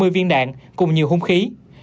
một trăm hai mươi viên đạn cùng nhiều hung khí